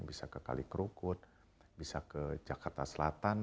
bisa ke kali kerukut bisa ke jakarta selatan